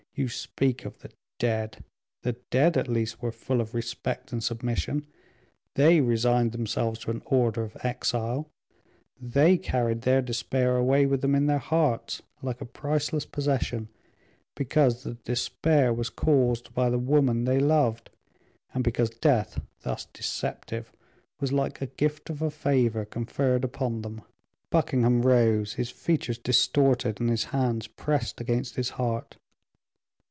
you speak of the dead; the dead, at least, were full of respect and submission; they resigned themselves to an order of exile; they carried their despair away with them in their hearts, like a priceless possession, because the despair was caused by the woman they loved, and because death, thus deceptive, was like a gift of a favor conferred upon them." Buckingham rose, his features distorted, and his hands pressed against his heart.